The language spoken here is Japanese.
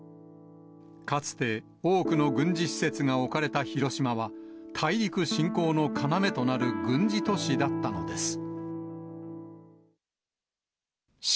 かつて多くの軍事施設が置かれた広島は、大陸侵攻の要となる軍事都市だったのです。